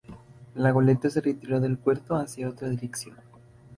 La goleta se retiró del puerto hacia otra dirección.